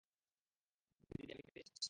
দিদি, আমি ফিরে এসেছি।